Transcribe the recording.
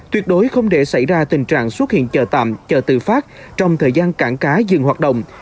tuyệt đối không để xảy ra tình trạng xuất hiện chợ tạm chợ tự phát trong thời gian cảng cá dừng hoạt động